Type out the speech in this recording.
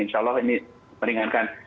insya allah ini meringankan